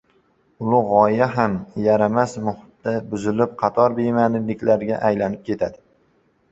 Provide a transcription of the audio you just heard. Ulug‘ g‘oya ham yaramas muhitda buzilib, qator bema’niliklarga aylanib ketadi.